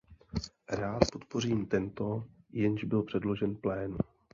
Rád podpořím tento, jenž byl předložen plénu.